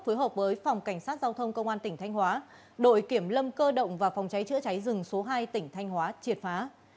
phối hợp với phòng cảnh sát giao thông công an tỉnh thanh hóa đội kiểm lâm cơ động và phòng cháy chữa cháy rừng số hai tỉnh thanh hóa triệt phá